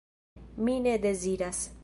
Mi ne deziras!